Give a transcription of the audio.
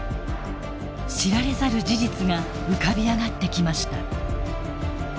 知られざる事実が浮かび上がってきました。